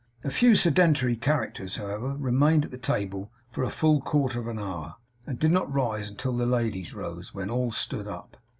A few sedentary characters, however, remained at table full a quarter of an hour, and did not rise until the ladies rose, when all stood up.